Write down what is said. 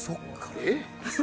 えっ？